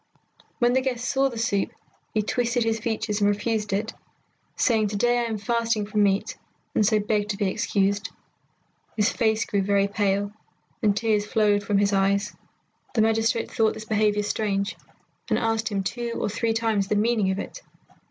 When the guest saw the soup he twisted his features and refused it, saying, "To day I am fasting from meat, and so beg to be excused." His face grew very pale, and tears flowed from his eyes. The magistrate thought this behaviour strange, and asked him two or three times the meaning of it.